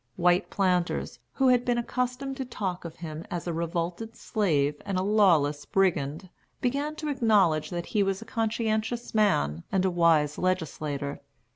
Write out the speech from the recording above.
White planters, who had been accustomed to talk of him as a revolted slave and a lawless brigand, began to acknowledge that he was a conscientious man and a wise legislator.